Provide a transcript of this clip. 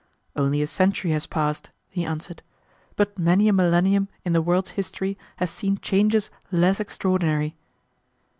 "Only a century has passed," he answered, "but many a millennium in the world's history has seen changes less extraordinary."